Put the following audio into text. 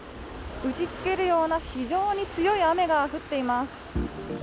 打ちつけるような非常に強い雨が降っています。